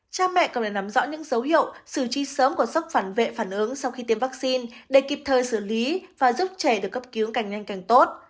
cha mẹ cần phải nắm rõ những dấu hiệu xử trí sớm của sốc phản vệ phản ứng sau khi tiêm vaccine để kịp thời xử lý và giúp trẻ được cấp cứu càng nhanh càng tốt